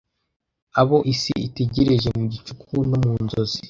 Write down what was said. abo isi itegereje mu gicucu no mu nzozi